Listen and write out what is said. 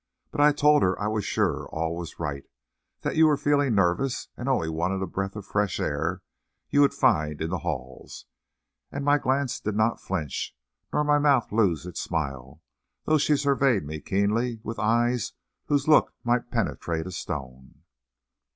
But I told her I was sure all was right, that you were feeling nervous, and only wanted a breath of the fresh air you would find in the halls." And my glance did not flinch, nor my mouth lose its smile, though she surveyed me keenly with eyes whose look might penetrate a stone.